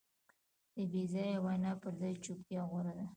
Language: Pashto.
د بېځایه وینا پر ځای چوپتیا غوره ده.